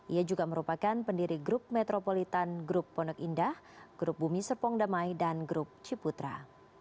ia juga merupakan pendiri grup metropolitan grup pondok indah grup bumi serpong damai dan grup ciputra